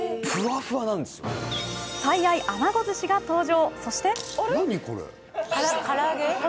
最愛あなごずしが登場